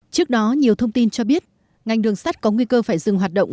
trước đó nhiều thông tin cho biết ngành đường sắt có nguy cơ phải dừng hoạt động